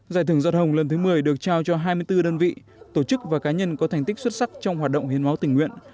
giải thưởng giọt hồng lần thứ một mươi được trao cho hai mươi bốn đơn vị tổ chức và cá nhân có thành tích xuất sắc trong hoạt động hiến máu tình nguyện